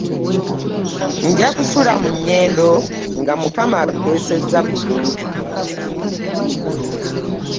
Njakusula mu Nyendo nga Mukama abukeseeza bulungi.